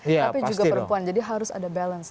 tapi juga perempuan jadi harus ada balance